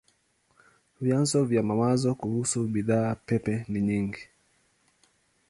Vyanzo vya mawazo kuhusu bidhaa pepe ni nyingi.